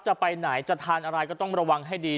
จะไปไหนจะทานอะไรก็ต้องระวังให้ดี